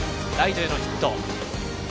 ライトへのヒット。